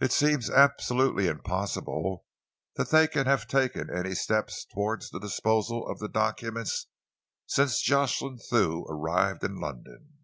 It seems absolutely impossible that they can have taken any steps towards the disposal of the documents since Jocelyn Thew arrived in London."